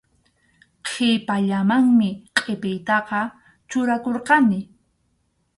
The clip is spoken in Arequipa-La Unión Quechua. Qhipallamanmi qʼipiytaqa churakurqani.